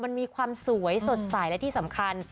มันมีความสวยสดใสและที่สำคัญ